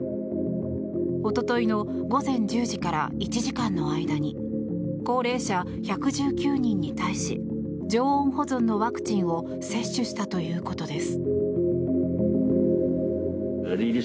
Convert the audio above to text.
おとといの午前１０時から１時間の間に高齢者１１９人に対し常温保存のワクチンを接種したということです。